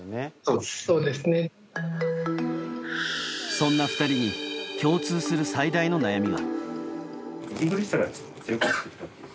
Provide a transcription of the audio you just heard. そんな２人に共通する最大の悩みが。